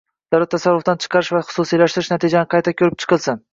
davlat tasarrufidan chiqarish va xususiylashtirish natijalarini qayta ko‘rib chiqisin.